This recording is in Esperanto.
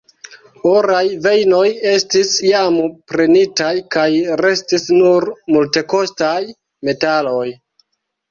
Oraj vejnoj estis jam prenitaj kaj restis nur multekostaj metaloj.